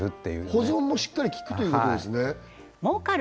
保存もしっかり利くということですね儲かる！